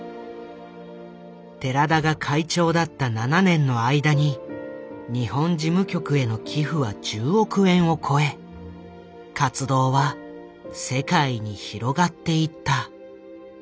寺田が会長だった７年の間に日本事務局への寄付は１０億円を超え活動は世界に広がっていった。